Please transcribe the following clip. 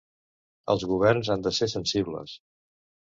Els governs han de ser sensibles.